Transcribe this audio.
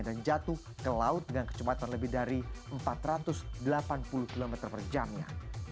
dan jatuh ke laut dengan kecepatan lebih dari empat ratus delapan puluh km per jamnya